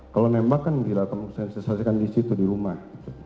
kalau nembak kan nggak mungkin saya selesaikan di situ di rumah